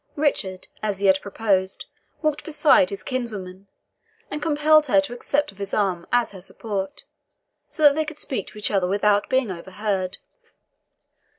Richard, as he had proposed, walked beside his kinswoman, and compelled her to accept of his arm as her support, so that they could speak to each other without being overheard.